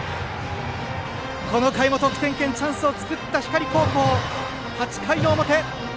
この回も得点圏チャンスを作った光高校８回表。